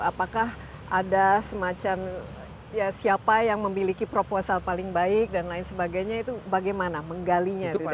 apakah ada semacam ya siapa yang memiliki proposal paling baik dan lain sebagainya itu bagaimana menggalinya